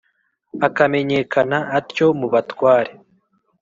akamenyekana atyo mu batware.